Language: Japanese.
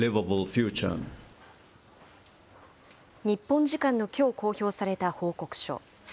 日本時間のきょう公表された報告書。